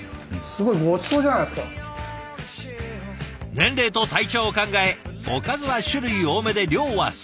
年齢と体調を考えおかずは種類多めで量は少なめ。